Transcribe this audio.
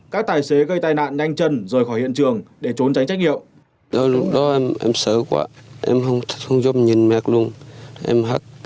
các tài xế gây tai nạn nhanh chân rời khỏi hiện trường để trốn tránh trách nhiệm